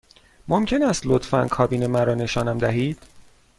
ممکن است لطفاً کابین مرا نشانم دهید؟